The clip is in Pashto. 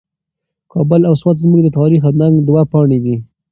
کابل او سوات زموږ د تاریخ او ننګ دوه پاڼې دي.